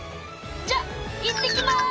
じゃ行ってきます！